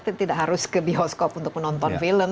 kita tidak harus ke bioskop untuk menonton film